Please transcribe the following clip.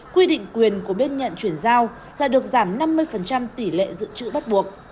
quy định quyền của bên nhận chuyển giao là được giảm năm mươi tỷ lệ dự trữ bắt buộc